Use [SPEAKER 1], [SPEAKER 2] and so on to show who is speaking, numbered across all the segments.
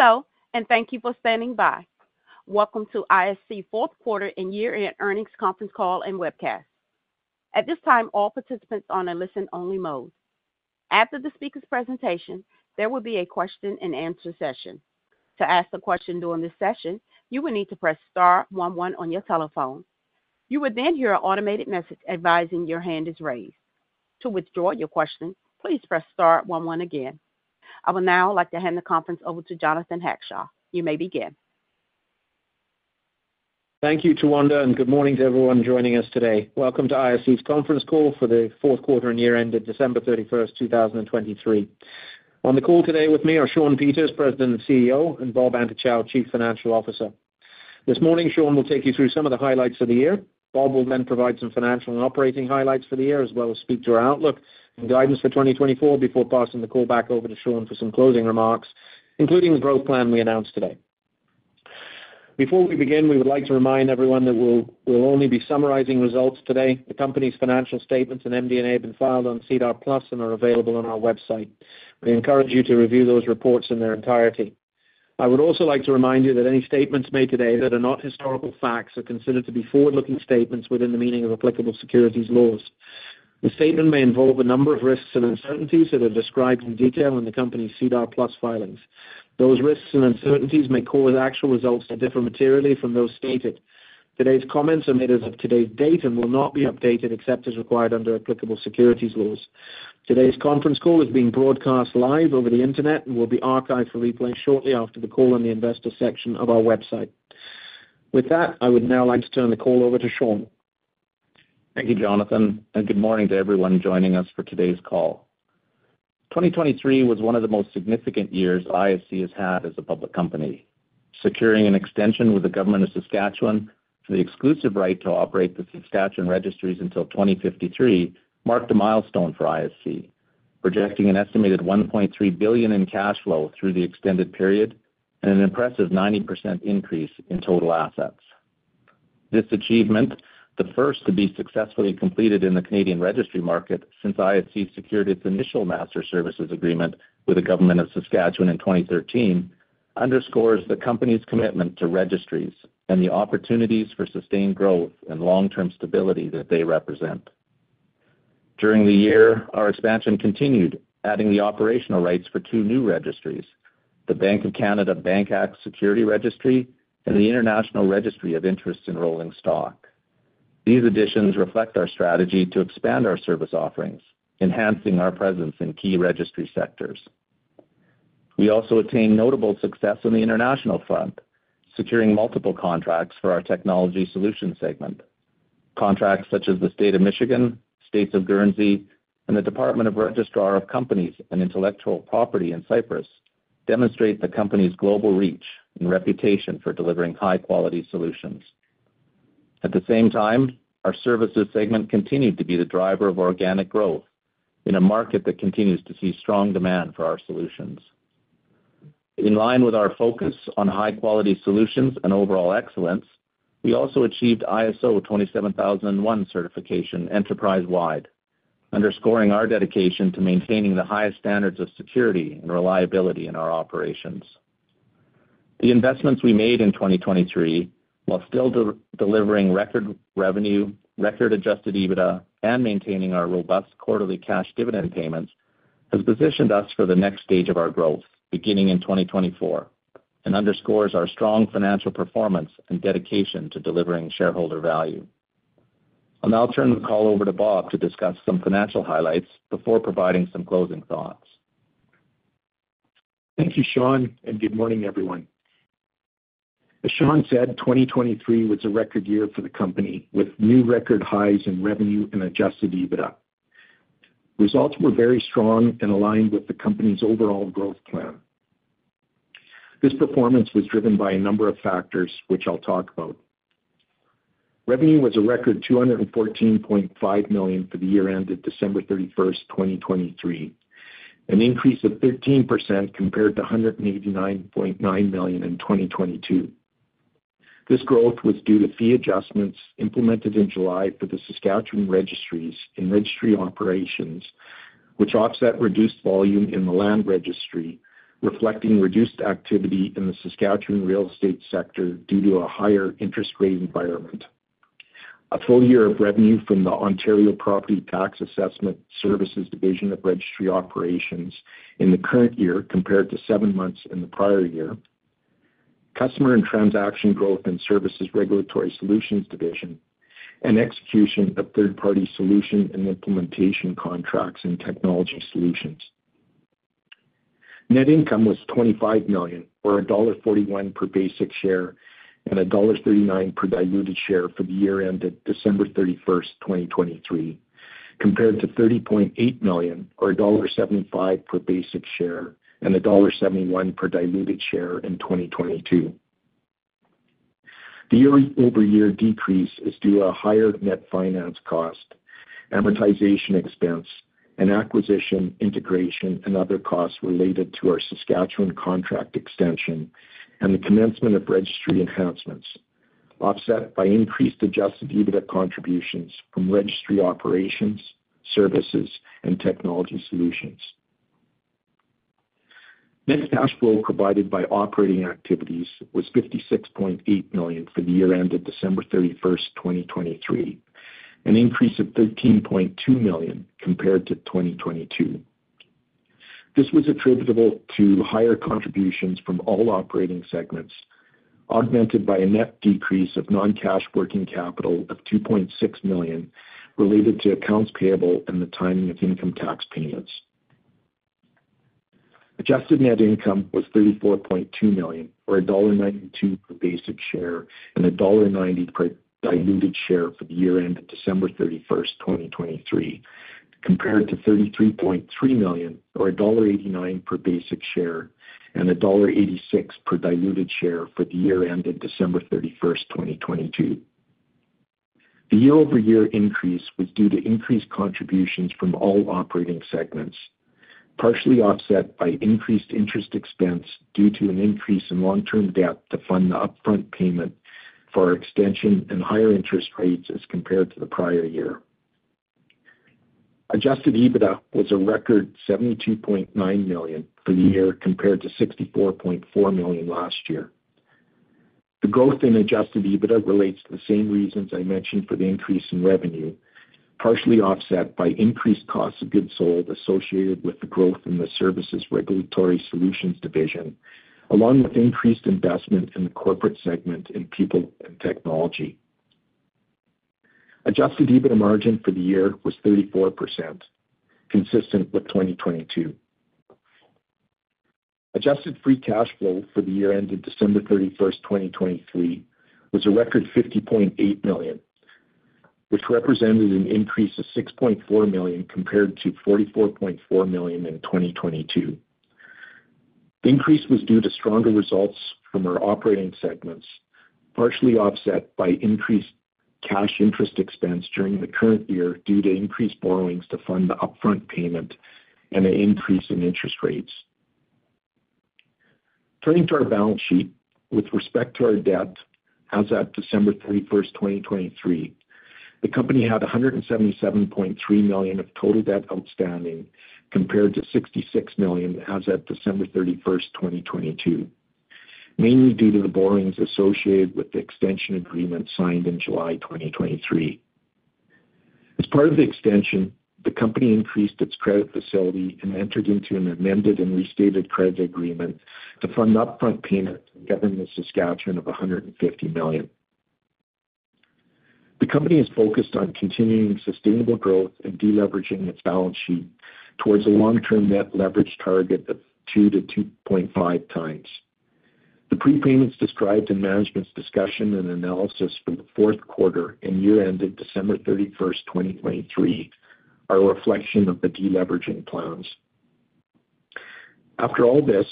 [SPEAKER 1] Hello and thank you for standing by. Welcome to ISC fourth quarter and year-end earnings conference call and webcast. At this time, all participants are in listen-only mode. After the speaker's presentation, there will be a question-and-answer session. To ask a question during this session, you will need to press star 11 on your telephone. You will then hear an automated message advising your hand is raised. To withdraw your question, please press star 11 again. I will now like to hand the conference over to Jonathan Hackshaw. You may begin.
[SPEAKER 2] Thank you, Tawanda, and good morning to everyone joining us today. Welcome to ISC's conference call for the fourth quarter and year-end at December 31st, 2023. On the call today with me are Shawn Peters, President and CEO, and Bob Antochow, Chief Financial Officer. This morning, Shawn will take you through some of the highlights of the year. Bob will then provide some financial and operating highlights for the year, as well as speak to our outlook and guidance for 2024 before passing the call back over to Shawn for some closing remarks, including the growth plan we announced today. Before we begin, we would like to remind everyone that we'll only be summarizing results today. The company's financial statements and MD&A have been filed on SEDAR+ and are available on our website. We encourage you to review those reports in their entirety. I would also like to remind you that any statements made today that are not historical facts are considered to be forward-looking statements within the meaning of applicable securities laws. The statement may involve a number of risks and uncertainties that are described in detail in the company's SEDAR+ filings. Those risks and uncertainties may cause actual results to differ materially from those stated. Today's comments are made as of today's date and will not be updated except as required under applicable securities laws. Today's conference call is being broadcast live over the internet and will be archived for replay shortly after the call in the investor section of our website. With that, I would now like to turn the call over to Shawn.
[SPEAKER 3] Thank you, Jonathan, and good morning to everyone joining us for today's call. 2023 was one of the most significant years ISC has had as a public company. Securing an extension with the Government of Saskatchewan for the exclusive right to operate the Saskatchewan registries until 2053 marked a milestone for ISC, projecting an estimated 1.3 billion in cash flow through the extended period and an impressive 90% increase in total assets. This achievement, the first to be successfully completed in the Canadian registry market since ISC secured its initial master services agreement with the Government of Saskatchewan in 2013, underscores the company's commitment to registries and the opportunities for sustained growth and long-term stability that they represent. During the year, our expansion continued, adding the operational rights for two new registries: the Bank of Canada Bank Act Security Registry and the International Registry of Interests in Rolling Stock. These additions reflect our strategy to expand our service offerings, enhancing our presence in key registry sectors. We also attained notable success on the international front, securing multiple contracts for our technology solution segment. Contracts such as the State of Michigan, States of Guernsey, and the Department of Registrar of Companies and Intellectual Property in Cyprus demonstrate the company's global reach and reputation for delivering high-quality solutions. At the same time, our services segment continued to be the driver of organic growth in a market that continues to see strong demand for our solutions. In line with our focus on high-quality solutions and overall excellence, we also achieved ISO 27001 certification enterprise-wide, underscoring our dedication to maintaining the highest standards of security and reliability in our operations. The investments we made in 2023, while still delivering record revenue, record adjusted EBITDA, and maintaining our robust quarterly cash dividend payments, have positioned us for the next stage of our growth, beginning in 2024, and underscores our strong financial performance and dedication to delivering shareholder value. I'll now turn the call over to Bob to discuss some financial highlights before providing some closing thoughts.
[SPEAKER 4] Thank you, Shawn, and good morning, everyone. As Shawn said, 2023 was a record year for the company with new record highs in revenue and Adjusted EBITDA. Results were very strong and aligned with the company's overall growth plan. This performance was driven by a number of factors, which I'll talk about. Revenue was a record 214.5 million for the year-end at December 31st, 2023, an increase of 13% compared to 189.9 million in 2022. This growth was due to fee adjustments implemented in July for the Saskatchewan registries in Registry Operations, which offset reduced volume in the land registry, reflecting reduced activity in the Saskatchewan real estate sector due to a higher interest rate environment. A full year of revenue from the Ontario Property Tax Assessment Services Division of Registry Operations in the current year compared to seven months in the prior year. Customer and transaction growth and services Regulatory Solutions division. And execution of third-party solution and implementation contracts and Technology Solutions. Net income was 25 million or dollar 1.41 per basic share and dollar 1.39 per diluted share for the year-end at December 31st, 2023, compared to 30.8 million or dollar 1.75 per basic share and dollar 1.71 per diluted share in 2022. The year-over-year decrease is due to a higher net finance cost, amortization expense, and acquisition, integration, and other costs related to our Saskatchewan contract extension and the commencement of registry enhancements, offset by increased Adjusted EBITDA contributions from registry operations, services, and Technology Solutions. Net cash flow provided by operating activities was 56.8 million for the year-end at December 31st, 2023, an increase of 13.2 million compared to 2022. This was attributable to higher contributions from all operating segments, augmented by a net decrease of non-cash working capital of 2.6 million related to accounts payable and the timing of income tax payments. Adjusted net income was 34.2 million or CAD 1.92 per basic share and dollar 1.90 per diluted share for the year-end at December 31st, 2023, compared to 33.3 million or dollar 1.89 per basic share and dollar 1.86 per diluted share for the year-end at December 31st, 2022. The year-over-year increase was due to increased contributions from all operating segments, partially offset by increased interest expense due to an increase in long-term debt to fund the upfront payment for our extension and higher interest rates as compared to the prior year. Adjusted EBITDA was a record 72.9 million for the year compared to 64.4 million last year. The growth in Adjusted EBITDA relates to the same reasons I mentioned for the increase in revenue, partially offset by increased costs of goods sold associated with the growth in the services regulatory solutions division, along with increased investment in the corporate segment in people and technology. Adjusted EBITDA margin for the year was 34%, consistent with 2022. Adjusted free cash flow for the year-end at December 31st, 2023, was a record 50.8 million, which represented an increase of 6.4 million compared to 44.4 million in 2022. The increase was due to stronger results from our operating segments, partially offset by increased cash interest expense during the current year due to increased borrowings to fund the upfront payment and an increase in interest rates. Turning to our balance sheet with respect to our debt as of December 31st, 2023, the company had 177.3 million of total debt outstanding compared to 66 million as of December 31st, 2022, mainly due to the borrowings associated with the extension agreement signed in July 2023. As part of the extension, the company increased its credit facility and entered into an amended and restated credit agreement to fund the upfront payment to the Government of Saskatchewan of 150 million. The company is focused on continuing sustainable growth and deleveraging its balance sheet towards a long-term net leverage target of 2-2.5 times. The prepayments described in management's discussion and analysis for the fourth quarter and year-end at December 31st, 2023, are a reflection of the deleveraging plans. After all this,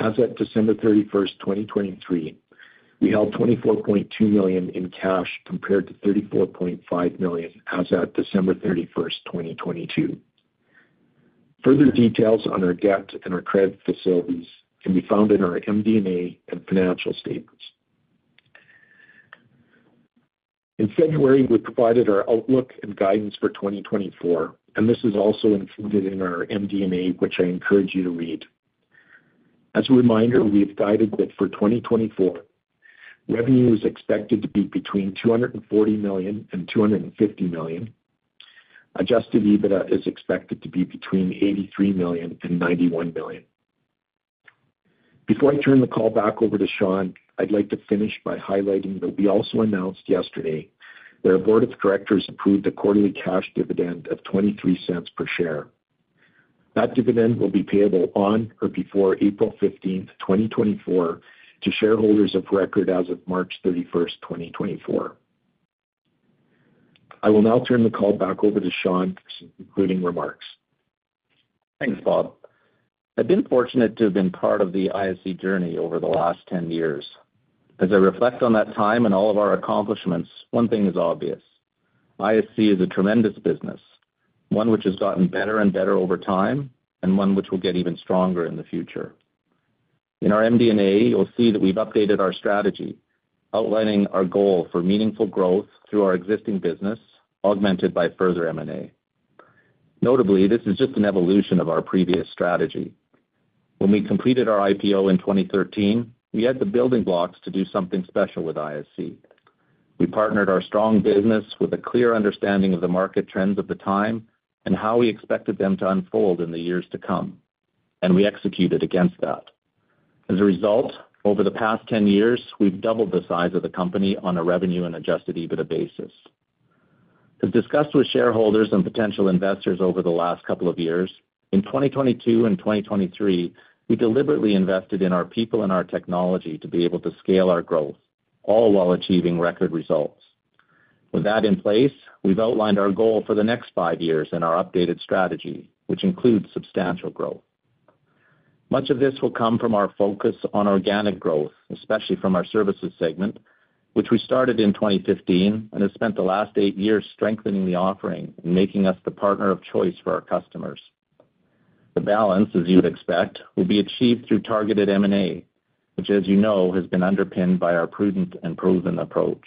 [SPEAKER 4] as of December 31st, 2023, we held 24.2 million in cash compared to 34.5 million as of December 31st, 2022. Further details on our debt and our credit facilities can be found in our MD&A and financial statements. In February, we provided our outlook and guidance for 2024, and this is also included in our MD&A, which I encourage you to read. As a reminder, we have guided that for 2024, revenue is expected to be between 240 million and 250 million. Adjusted EBITDA is expected to be between 83 million and 91 million. Before I turn the call back over to Shawn, I'd like to finish by highlighting that we also announced yesterday that our board of directors approved a quarterly cash dividend of 0.23 per share. That dividend will be payable on or before April 15th, 2024, to shareholders of record as of March 31st, 2024. I will now turn the call back over to Shawn for concluding remarks.
[SPEAKER 3] Thanks, Bob. I've been fortunate to have been part of the ISC journey over the last 10 years. As I reflect on that time and all of our accomplishments, one thing is obvious. ISC is a tremendous business, one which has gotten better and better over time and one which will get even stronger in the future. In our MD&A, you'll see that we've updated our strategy, outlining our goal for meaningful growth through our existing business, augmented by further M&A. Notably, this is just an evolution of our previous strategy. When we completed our IPO in 2013, we had the building blocks to do something special with ISC. We partnered our strong business with a clear understanding of the market trends of the time and how we expected them to unfold in the years to come, and we executed against that. As a result, over the past 10 years, we've doubled the size of the company on a revenue and Adjusted EBITDA basis. As discussed with shareholders and potential investors over the last couple of years, in 2022 and 2023, we deliberately invested in our people and our technology to be able to scale our growth, all while achieving record results. With that in place, we've outlined our goal for the next five years in our updated strategy, which includes substantial growth. Much of this will come from our focus on organic growth, especially from our services segment, which we started in 2015 and have spent the last eight years strengthening the offering and making us the partner of choice for our customers. The balance, as you'd expect, will be achieved through targeted M&A, which, as you know, has been underpinned by our prudent and proven approach.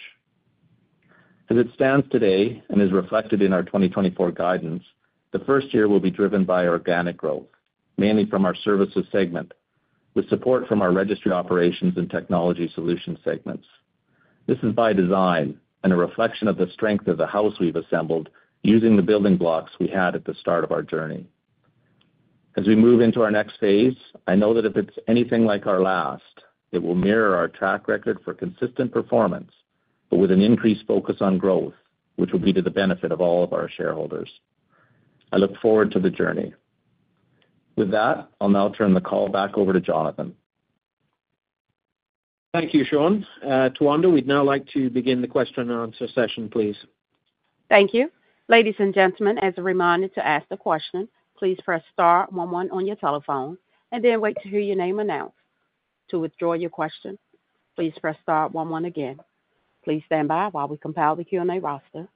[SPEAKER 3] As it stands today and is reflected in our 2024 guidance, the first year will be driven by organic growth, mainly from our services segment, with support from our registry operations and technology solution segments. This is by design and a reflection of the strength of the house we've assembled using the building blocks we had at the start of our journey. As we move into our next phase, I know that if it's anything like our last, it will mirror our track record for consistent performance, but with an increased focus on growth, which will be to the benefit of all of our shareholders. I look forward to the journey. With that, I'll now turn the call back over to Jonathan.
[SPEAKER 2] Thank you, Shawn. Tawanda, we'd now like to begin the question-and-answer session, please.
[SPEAKER 1] Thank you. Ladies and gentlemen, as a reminder to ask the question, please press star one one on your telephone and then wait to hear your name announced. To withdraw your question, please press star 11 again. Please stand by while we compile the Q&A roster.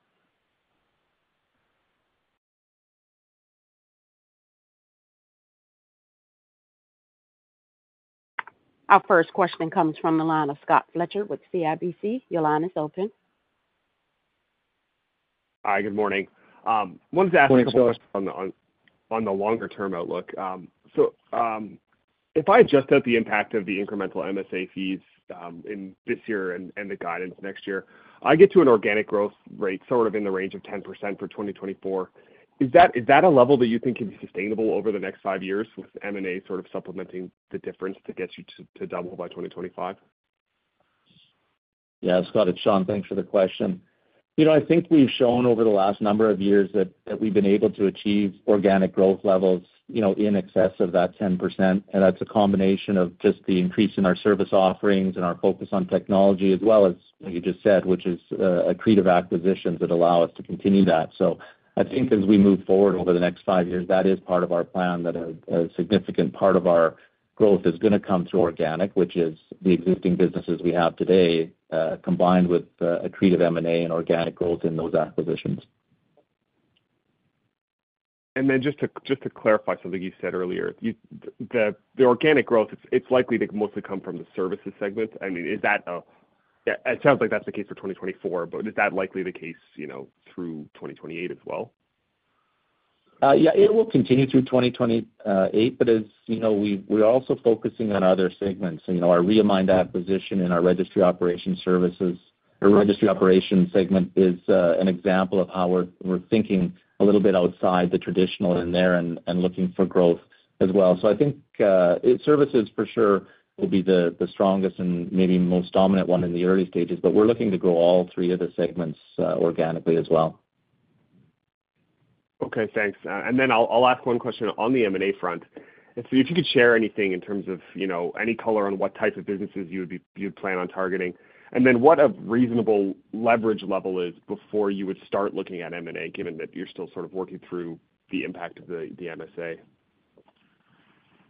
[SPEAKER 1] Our first question comes from the line of Scott Fletcher with CIBC. Your line is open.
[SPEAKER 5] Hi. Good morning. I wanted to ask you a question on the longer-term outlook. So if I adjusted the impact of the incremental MSA fees in this year and the guidance next year, I get to an organic growth rate sort of in the range of 10% for 2024. Is that a level that you think can be sustainable over the next five years with M&A sort of supplementing the difference to get you to double by 2025?
[SPEAKER 3] Yeah, Scott. Shawn, thanks for the question. I think we've shown over the last number of years that we've been able to achieve organic growth levels in excess of that 10%, and that's a combination of just the increase in our service offerings and our focus on technology, as well as, like you just said, which is accretive acquisitions that allow us to continue that. So I think as we move forward over the next five years, that is part of our plan that a significant part of our growth is going to come through organic, which is the existing businesses we have today combined with accretive M&A and organic growth in those acquisitions.
[SPEAKER 5] Then, just to clarify something you said earlier, the organic growth, it's likely to mostly come from the services segment. I mean, is that it sounds like that's the case for 2024, but is that likely the case through 2028 as well?
[SPEAKER 3] Yeah, it will continue through 2028, but as you know, we're also focusing on other segments. Our realigned acquisition in our registry operation services our registry operation segment is an example of how we're thinking a little bit outside the traditional in there and looking for growth as well. So I think services, for sure, will be the strongest and maybe most dominant one in the early stages, but we're looking to grow all three of the segments organically as well.
[SPEAKER 5] Okay. Thanks. And then I'll ask one question on the M&A front. If you could share anything in terms of any color on what type of businesses you'd plan on targeting, and then what a reasonable leverage level is before you would start looking at M&A, given that you're still sort of working through the impact of the MSA?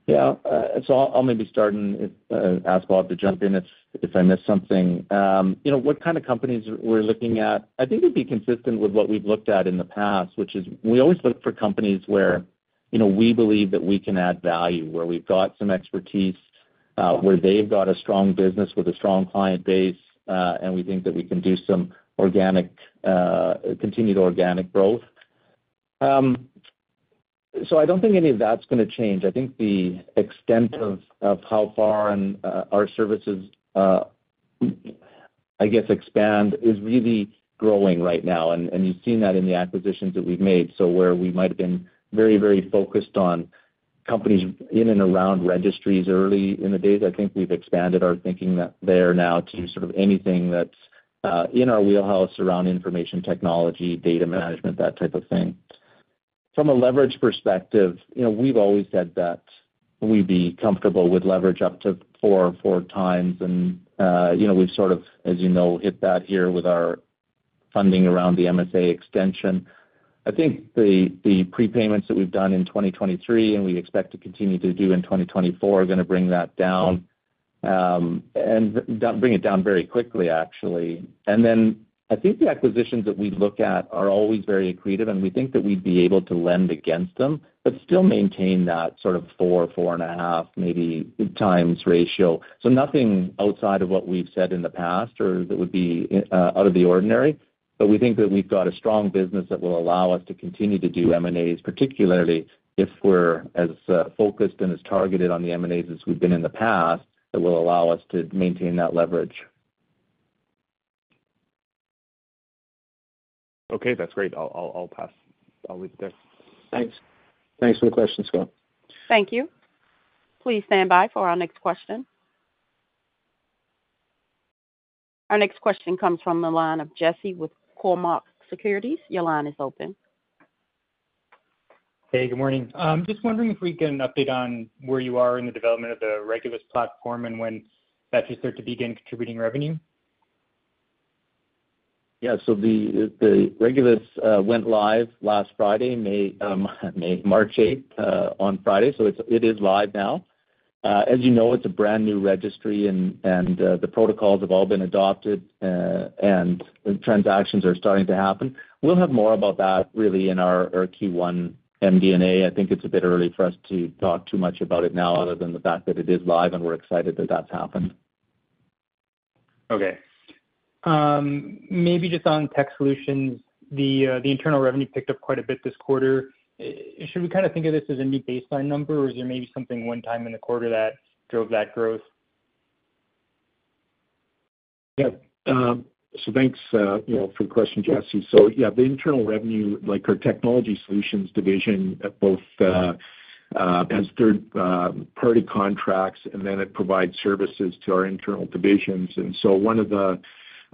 [SPEAKER 3] Yeah. So I'll maybe start and ask Bob to jump in if I miss something. What kind of companies we're looking at, I think it'd be consistent with what we've looked at in the past, which is we always look for companies where we believe that we can add value, where we've got some expertise, where they've got a strong business with a strong client base, and we think that we can do some continued organic growth. So I don't think any of that's going to change. I think the extent of how far our services, I guess, expand is really growing right now, and you've seen that in the acquisitions that we've made. So where we might have been very, very focused on companies in and around registries early in the days, I think we've expanded our thinking there now to sort of anything that's in our wheelhouse around information technology, data management, that type of thing. From a leverage perspective, we've always said that we'd be comfortable with leverage up to 4 times, and we've sort of, as you know, hit that here with our funding around the MSA extension. I think the prepayments that we've done in 2023 and we expect to continue to do in 2024 are going to bring that down and bring it down very quickly, actually. And then I think the acquisitions that we look at are always very accretive, and we think that we'd be able to lend against them but still maintain that sort of 4, 4.5, maybe times ratio. Nothing outside of what we've said in the past or that would be out of the ordinary, but we think that we've got a strong business that will allow us to continue to do M&As, particularly if we're as focused and as targeted on the M&As as we've been in the past that will allow us to maintain that leverage.
[SPEAKER 5] Okay. That's great. I'll leave it there.
[SPEAKER 3] Thanks. Thanks for the question, Scott.
[SPEAKER 1] Thank you. Please stand by for our next question. Our next question comes from the line of Jesse with Cormark Securities. Your line is open.
[SPEAKER 6] Hey. Good morning. Just wondering if we can get an update on where you are in the development of the Regulus platform and when that's your start to begin contributing revenue?
[SPEAKER 3] Yeah. So the Regulus went live last Friday, March 8th, on Friday. So it is live now. As you know, it's a brand new registry, and the protocols have all been adopted, and transactions are starting to happen. We'll have more about that, really, in our Q1 MD&A. I think it's a bit early for us to talk too much about it now other than the fact that it is live, and we're excited that that's happened.
[SPEAKER 6] Okay. Maybe just on tech solutions, the internal revenue picked up quite a bit this quarter. Should we kind of think of this as a new baseline number, or is there maybe something one time in the quarter that drove that growth?
[SPEAKER 4] Yeah. So thanks for the question, Jesse. So yeah, the internal revenue, our technology solutions division, both has third-party contracts, and then it provides services to our internal divisions. And so one of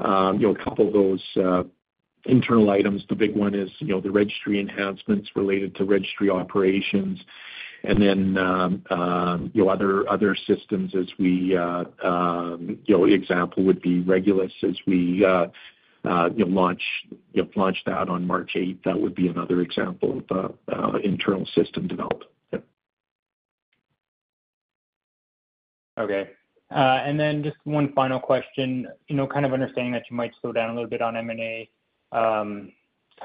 [SPEAKER 4] a couple of those internal items, the big one is the registry enhancements related to registry operations and then other systems as an example would be Regulus as we launched out on March 8th. That would be another example of internal system development.
[SPEAKER 6] Okay. And then just one final question, kind of understanding that you might slow down a little bit on M&A, kind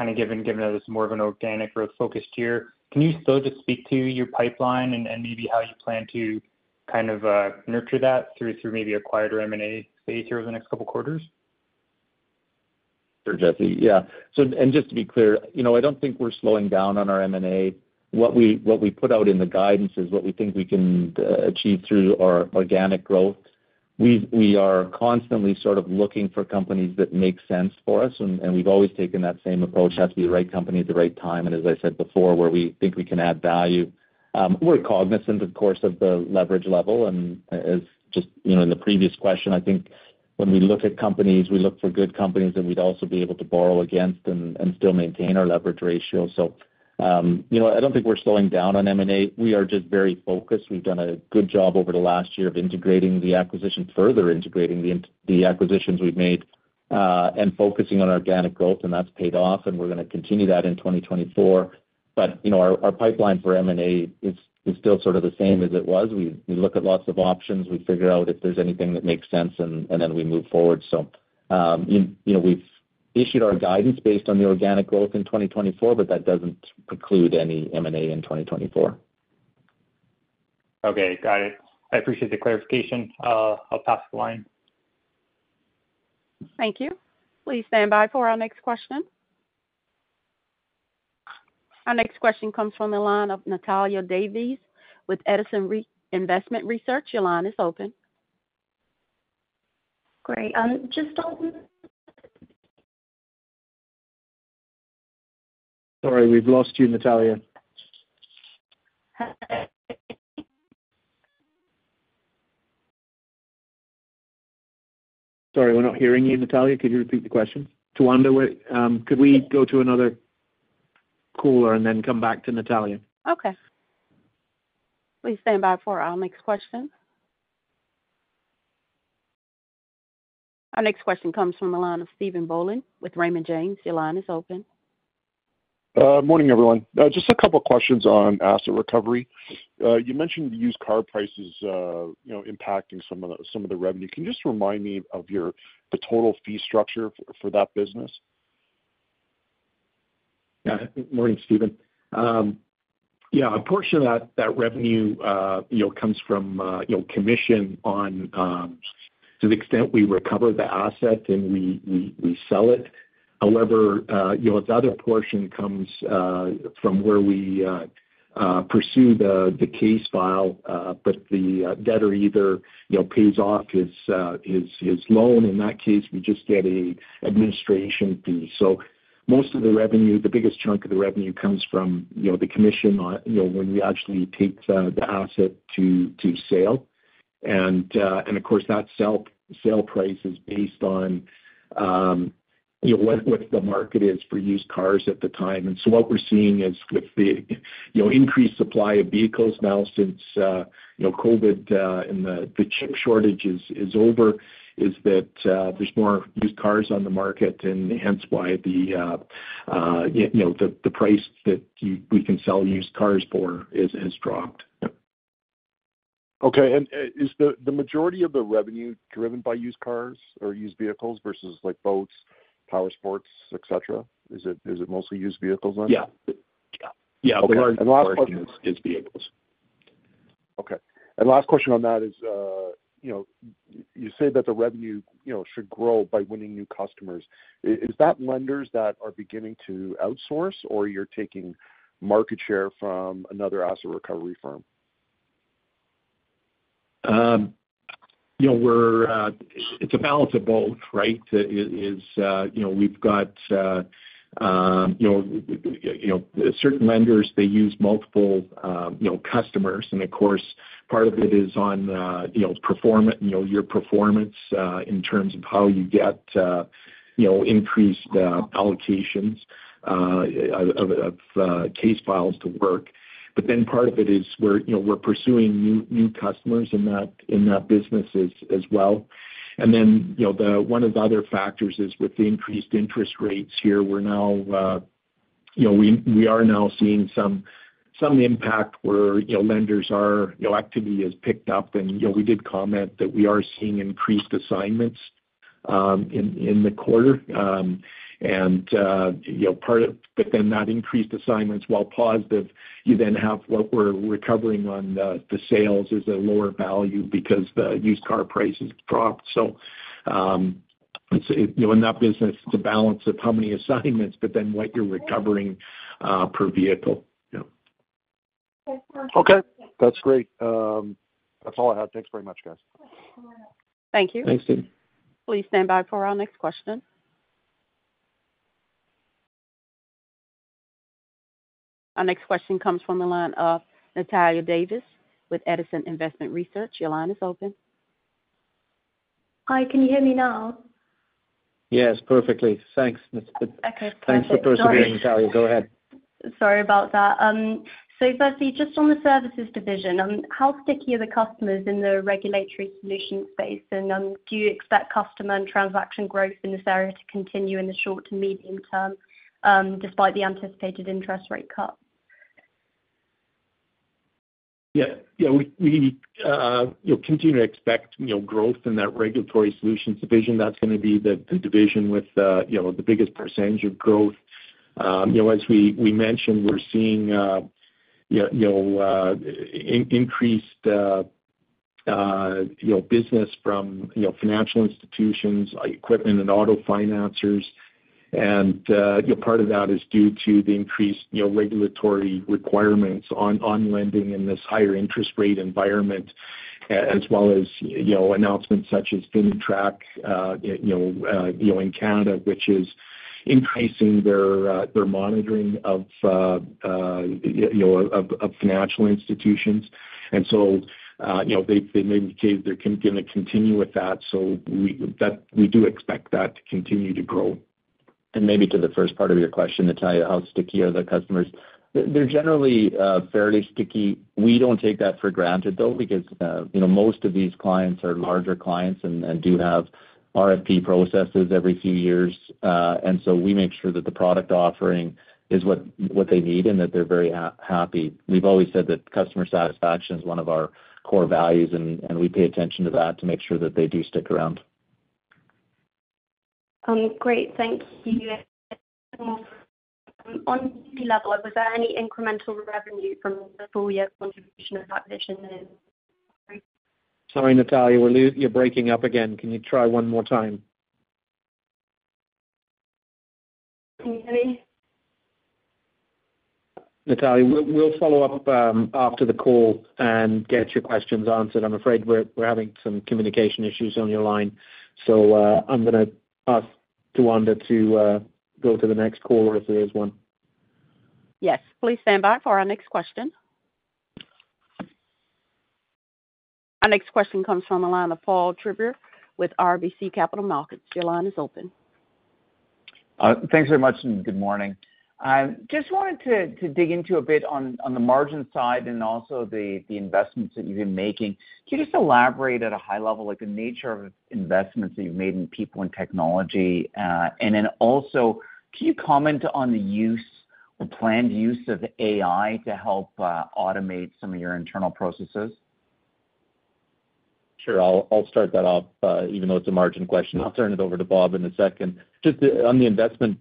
[SPEAKER 6] of given that it's more of an organic growth-focused year, can you still just speak to your pipeline and maybe how you plan to kind of nurture that through maybe a quieter M&A phase here over the next couple of quarters?
[SPEAKER 3] Sure, Jesse. Yeah. Just to be clear, I don't think we're slowing down on our M&A. What we put out in the guidance is what we think we can achieve through our organic growth. We are constantly sort of looking for companies that make sense for us, and we've always taken that same approach: has to be the right company at the right time. As I said before, where we think we can add value, we're cognizant, of course, of the leverage level. As just in the previous question, I think when we look at companies, we look for good companies that we'd also be able to borrow against and still maintain our leverage ratio. So I don't think we're slowing down on M&A. We are just very focused. We've done a good job over the last year of integrating the acquisition, further integrating the acquisitions we've made, and focusing on organic growth, and that's paid off, and we're going to continue that in 2024. But our pipeline for M&A is still sort of the same as it was. We look at lots of options. We figure out if there's anything that makes sense, and then we move forward. So we've issued our guidance based on the organic growth in 2024, but that doesn't preclude any M&A in 2024.
[SPEAKER 6] Okay. Got it. I appreciate the clarification. I'll pass the line.
[SPEAKER 1] Thank you. Please stand by for our next question. Our next question comes from the line of Natalia Davies with Edison Investment Research. Your line is open.
[SPEAKER 5] Great. Just don't.
[SPEAKER 4] Sorry. We've lost you, Natalia.
[SPEAKER 7] Hi.
[SPEAKER 4] Sorry. We're not hearing you, Natalia. Could you repeat the question? Tawanda, could we go to another caller and then come back to Natalia?
[SPEAKER 1] Okay. Please stand by for our next question. Our next question comes from the line of Stephen Boland with Raymond James. Your line is open.
[SPEAKER 8] Morning, everyone. Just a couple of questions on asset recovery. You mentioned the used car prices impacting some of the revenue. Can you just remind me of the total fee structure for that business?
[SPEAKER 4] Yeah. Morning, Stephen. Yeah. A portion of that revenue comes from commission to the extent we recover the asset and we sell it. However, its other portion comes from where we pursue the case file, but the debtor either pays off his loan. In that case, we just get an administration fee. So most of the revenue, the biggest chunk of the revenue, comes from the commission when we actually take the asset to sale. And of course, that sale price is based on what the market is for used cars at the time. And so what we're seeing is with the increased supply of vehicles now since COVID and the chip shortage is over, is that there's more used cars on the market, and hence why the price that we can sell used cars for has dropped.
[SPEAKER 8] Okay. Is the majority of the revenue driven by used cars or used vehicles versus boats, power sports, etc.? Is it mostly used vehicles then?
[SPEAKER 4] Yeah. Yeah. The largest portion is vehicles.
[SPEAKER 8] Okay. And last question on that is you say that the revenue should grow by winning new customers. Is that lenders that are beginning to outsource, or you're taking market share from another asset recovery firm?
[SPEAKER 4] It's a balance of both, right? We've got certain lenders, they use multiple customers. And of course, part of it is on your performance in terms of how you get increased allocations of case files to work. But then part of it is we're pursuing new customers in that business as well. And then one of the other factors is with the increased interest rates here, we're now seeing some impact where lenders' activity is picked up. And we did comment that we are seeing increased assignments in the quarter. But then that increased assignments, while positive, you then have what we're recovering on the sales is a lower value because the used car prices dropped. So in that business, it's a balance of how many assignments, but then what you're recovering per vehicle.
[SPEAKER 8] Okay. That's great. That's all I had. Thanks very much, guys.
[SPEAKER 1] Thank you.
[SPEAKER 8] Thanks, Stephen.
[SPEAKER 1] Please stand by for our next question. Our next question comes from the line of Natalia Davies with Edison Investment Research. Your line is open.
[SPEAKER 5] Hi. Can you hear me now? Yes. Perfectly. Thanks. Okay. Thank you.
[SPEAKER 4] Thanks for persevering, Natalia. Go ahead.
[SPEAKER 7] Sorry about that. So firstly, just on the services division, how sticky are the customers in the regulatory solution space? And do you expect customer and transaction growth in this area to continue in the short to medium term despite the anticipated interest rate cut?
[SPEAKER 4] Yeah. Yeah. We continue to expect growth in that regulatory solutions division. That's going to be the division with the biggest percentage of growth. As we mentioned, we're seeing increased business from financial institutions, equipment, and auto financers. And part of that is due to the increased regulatory requirements on lending in this higher interest rate environment as well as announcements such as FINTRAC in Canada, which is increasing their monitoring of financial institutions. And so they've indicated they're going to continue with that. So we do expect that to continue to grow.
[SPEAKER 3] Maybe to the first part of your question, Natalia, how sticky are the customers? They're generally fairly sticky. We don't take that for granted, though, because most of these clients are larger clients and do have RFP processes every few years. So we make sure that the product offering is what they need and that they're very happy. We've always said that customer satisfaction is one of our core values, and we pay attention to that to make sure that they do stick around.
[SPEAKER 7] Great. Thank you. On the level, was there any incremental revenue from the 4-year contribution of that position there?
[SPEAKER 4] Sorry, Natalia. You're breaking up again. Can you try one more time?
[SPEAKER 9] Can you hear me?
[SPEAKER 4] Natalia, we'll follow up after the call and get your questions answered. I'm afraid we're having some communication issues on your line. I'm going to ask Tawanda to go to the next caller if there is one.
[SPEAKER 1] Yes. Please stand by for our next question. Our next question comes from the line of Paul Treiber with RBC Capital Markets. Your line is open.
[SPEAKER 10] Thanks very much, and good morning. I just wanted to dig into a bit on the margin side and also the investments that you've been making. Can you just elaborate at a high level the nature of investments that you've made in people and technology? And then also, can you comment on the use or planned use of AI to help automate some of your internal processes? Sure. I'll start that off. Even though it's a margin question, I'll turn it over to Bob in a second. Just on the investment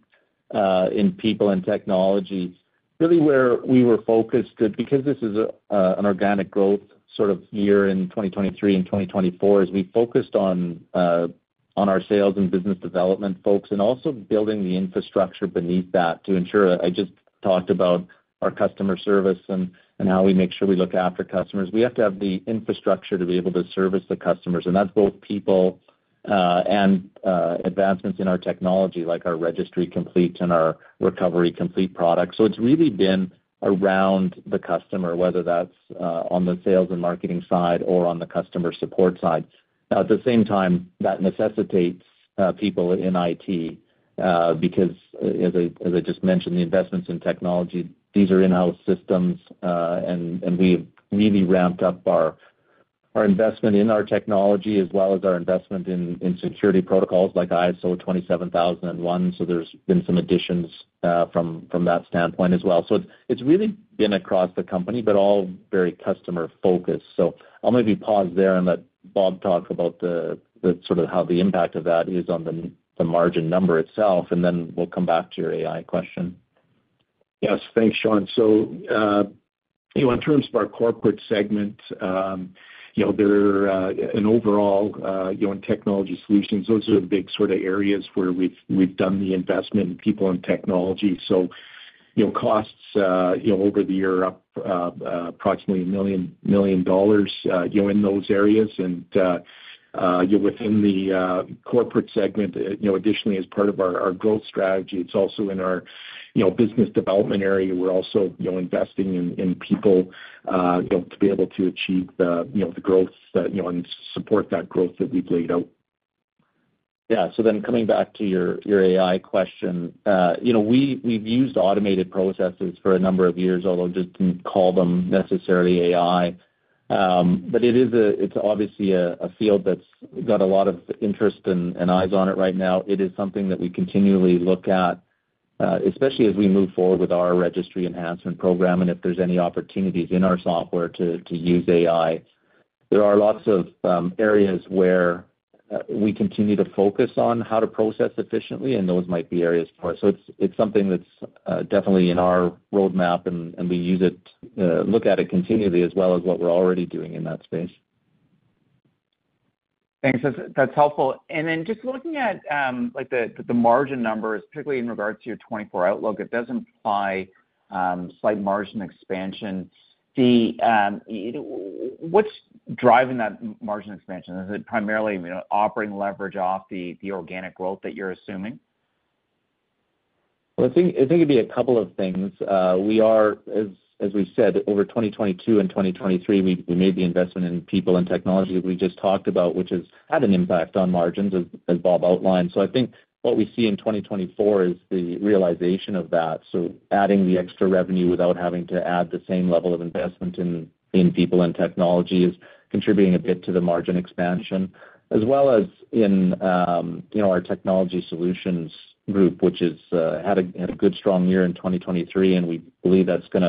[SPEAKER 10] in people and technology, really where we were focused because this is an organic growth sort of year in 2023 and 2024 is we focused on our sales and business development folks and also building the infrastructure beneath that to ensure I just talked about our customer service and how we make sure we look after customers.
[SPEAKER 3] We have to have the infrastructure to be able to service the customers. And that's both people and advancements in our technology, like our Registry Complete and our Recovery Complete products. So it's really been around the customer, whether that's on the sales and marketing side or on the customer support side. Now, at the same time, that necessitates people in IT because, as I just mentioned, the investments in technology, these are in-house systems, and we've really ramped up our investment in our technology as well as our investment in security protocols like ISO 27001. So there's been some additions from that standpoint as well. So it's really been across the company, but all very customer-focused. So I'll maybe pause there and let Bob talk about sort of how the impact of that is on the margin number itself, and then we'll come back to your AI question.
[SPEAKER 4] Yes. Thanks, Shawn. So in terms of our corporate segment, there are an overall in technology solutions, those are the big sort of areas where we've done the investment in people and technology. So costs over the year are up approximately 1 million in those areas. And within the corporate segment, additionally, as part of our growth strategy, it's also in our business development area. We're also investing in people to be able to achieve the growth and support that growth that we've laid out.
[SPEAKER 3] Yeah. So then coming back to your AI question, we've used automated processes for a number of years, although just didn't call them necessarily AI. But it's obviously a field that's got a lot of interest and eyes on it right now. It is something that we continually look at, especially as we move forward with our registry enhancement program and if there's any opportunities in our software to use AI. There are lots of areas where we continue to focus on how to process efficiently, and those might be areas for us. So it's something that's definitely in our roadmap, and we look at it continually as well as what we're already doing in that space. Thanks. That's helpful. And then just looking at the margin numbers, particularly in regards to your 2024 outlook, it does imply slight margin expansion. What's driving that margin expansion? Is it primarily operating leverage off the organic growth that you're assuming? Well, I think it'd be a couple of things. As we said, over 2022 and 2023, we made the investment in people and technology that we just talked about, which has had an impact on margins as Bob outlined. So I think what we see in 2024 is the realization of that. So adding the extra revenue without having to add the same level of investment in people and technology is contributing a bit to the margin expansion, as well as in our technology solutions group, which had a good, strong year in 2023, and we believe that's going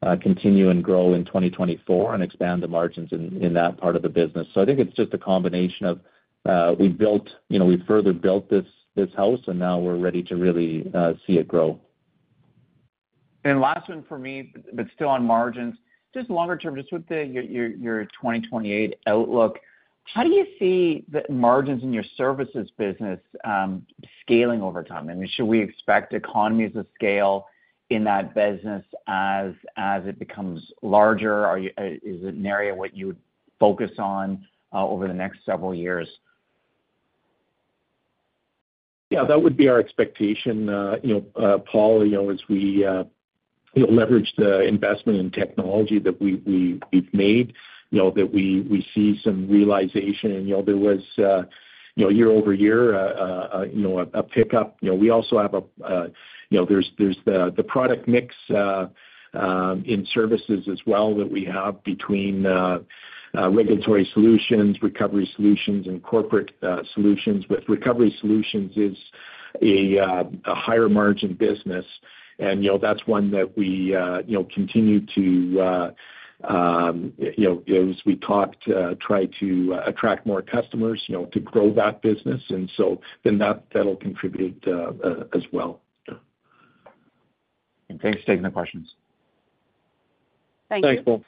[SPEAKER 3] to continue and grow in 2024 and expand the margins in that part of the business. So I think it's just a combination of we've further built this house, and now we're ready to really see it grow. Last one for me, but still on margins, just longer term, just with your 2028 outlook, how do you see the margins in your services business scaling over time? I mean, should we expect economies of scale in that business as it becomes larger? Is it an area what you would focus on over the next several years?
[SPEAKER 4] Yeah. That would be our expectation. Paul, as we leverage the investment in technology that we've made, that we see some realization. There was year-over-year a pickup. We also have, there's the product mix in services as well that we have between regulatory solutions, Recovery Solutions, and Corporate Solutions. But Recovery Solutions is a higher-margin business, and that's one that we continue to, as we talked, try to attract more customers to grow that business. And so then that'll contribute as well.
[SPEAKER 3] Thanks for taking the questions.
[SPEAKER 1] Thank you.
[SPEAKER 5] Thanks, Paul.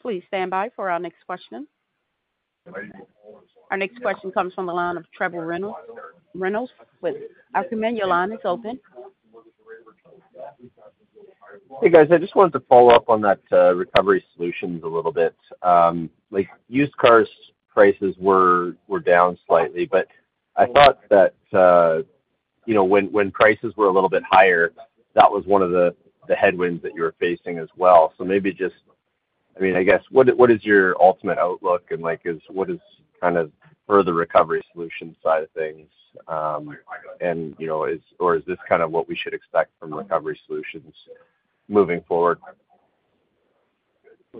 [SPEAKER 1] Please stand by for our next question. Our next question comes from the line of Trevor Reynolds. I remind you your line is open.
[SPEAKER 11] Hey, guys. I just wanted to follow up on that recovery solutions a little bit. Used car prices were down slightly, but I thought that when prices were a little bit higher, that was one of the headwinds that you were facing as well. So maybe just I mean, I guess, what is your ultimate outlook, and what is kind of for the recovery solutions side of things? Or is this kind of what we should expect from recovery solutions moving forward?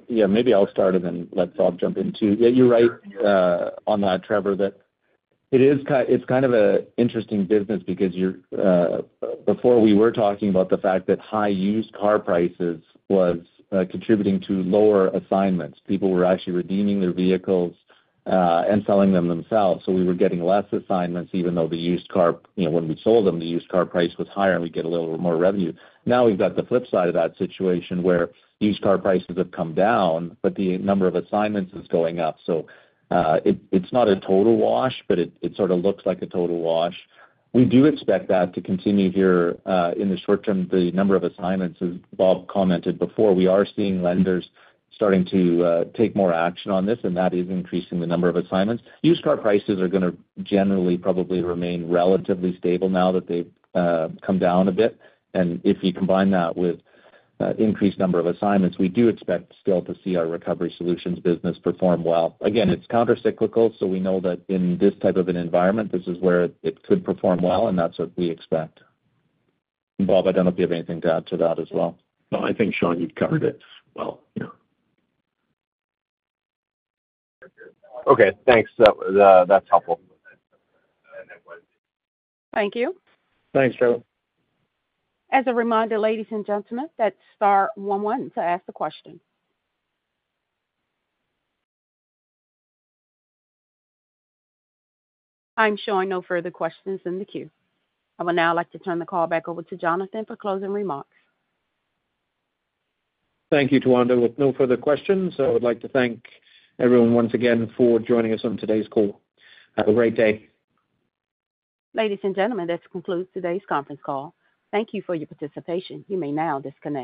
[SPEAKER 4] Yeah. Maybe I'll start it and let Bob jump in too. Yeah. You're right on that, Trevor, that it is kind of an interesting business because before we were talking about the fact that high used car prices was contributing to lower assignments. People were actually redeeming their vehicles and selling them themselves. So we were getting less assignments even though the used car when we sold them, the used car price was higher, and we'd get a little more revenue. Now we've got the flip side of that situation where used car prices have come down, but the number of assignments is going up. So it's not a total wash, but it sort of looks like a total wash. We do expect that to continue here in the short term. The number of assignments, as Bob commented before, we are seeing lenders starting to take more action on this, and that is increasing the number of assignments. Used car prices are going to generally probably remain relatively stable now that they've come down a bit. If you combine that with increased number of assignments, we do expect still to see our recovery solutions business perform well. Again, it's countercyclical, so we know that in this type of an environment, this is where it could perform well, and that's what we expect. Bob, I don't know if you have anything to add to that as well. No. I think, Shawn, you've covered it well.
[SPEAKER 11] Okay. Thanks. That's helpful.
[SPEAKER 1] Thank you.
[SPEAKER 4] Thanks, Trevor.
[SPEAKER 1] As a reminder, ladies and gentlemen, that's star one one to ask the question. I'm showing no further questions in the queue. I would now like to turn the call back over to Jonathan for closing remarks.
[SPEAKER 2] Thank you, Tawanda. With no further questions, I would like to thank everyone once again for joining us on today's call. Have a great day.
[SPEAKER 1] Ladies and gentlemen, this concludes today's conference call. Thank you for your participation. You may now disconnect.